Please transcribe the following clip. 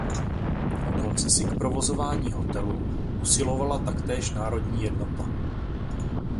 O koncesi k provozování hotelu usilovala taktéž Národní Jednota.